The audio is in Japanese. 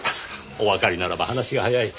おわかりならば話が早い。